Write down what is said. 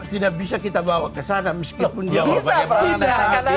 tidak bisa kita bawa ke sana meskipun dia berpikir